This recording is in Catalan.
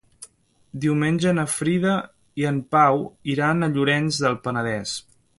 Diumenge na Frida i en Pau iran a Llorenç del Penedès.